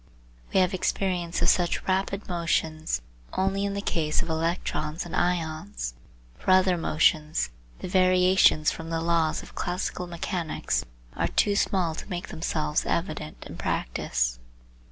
We have experience of such rapid motions only in the case of electrons and ions; for other motions the variations from the laws of classical mechanics are too small to make themselves evident in practice.